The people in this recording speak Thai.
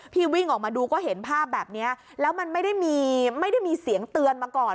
วิ่งออกมาดูก็เห็นภาพแบบนี้แล้วมันไม่ได้มีไม่ได้มีเสียงเตือนมาก่อน